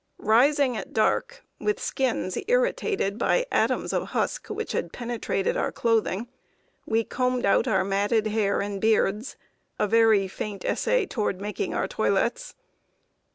Rising at dark, with skins irritated by atoms of husk which had penetrated our clothing, we combed out our matted hair and beards a very faint essay toward making our toilets.